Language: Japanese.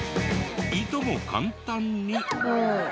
いとも簡単に。